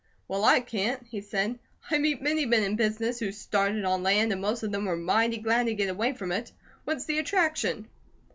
"Well, I can't," he said. "I meet many men in business who started on land, and most of them were mighty glad to get away from it. What's the attraction?"